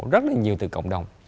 rất là nhiều từ cộng đồng